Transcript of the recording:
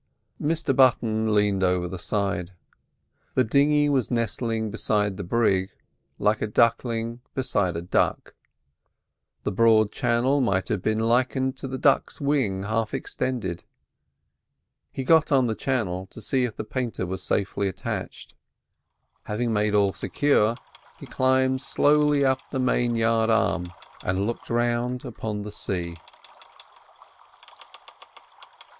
Mr Button leaned over the side. The dinghy was nestling beside the brig like a duckling beside a duck; the broad channel might have been likened to the duck's wing half extended. He got on the channel to see if the painter was safely attached. Having made all secure, he climbed slowly up to the main yard arm, and looked round upon the sea.